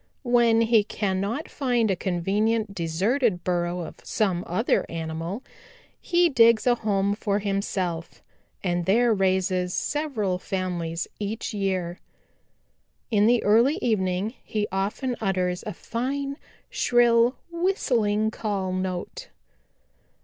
When he cannot find a convenient deserted burrow of some other animal, he digs a home for himself and there raises several families each year. In the early evening he often utters a fine, shrill, whistling call note.